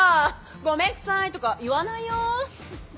「ごめんくさい」とか言わないよ。